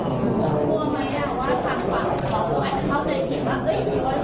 มีทุกผู้คนใต้แบบเล่าทุกอย่าง